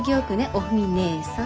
おフミねえさん。